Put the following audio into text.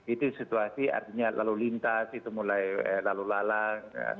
itu situasi artinya lalu lintas itu mulai lalu lalang